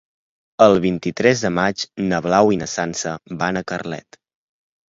El vint-i-tres de maig na Blau i na Sança van a Carlet.